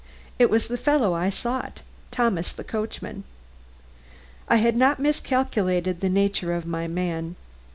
It was the fellow I sought, Thomas the coachman. I had not miscalculated the nature of my man.